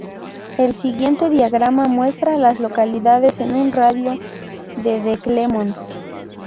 El siguiente diagrama muestra a las localidades en un radio de de Clemmons.